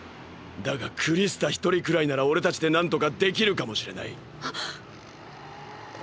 だがクリスタ一人くらいなら俺たちで何とかできるかもしれない。